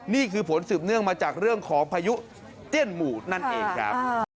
นี่คือผลสืบเนื่องมาจากเรื่องของพายุเตี้ยนหมู่นั่นเองครับ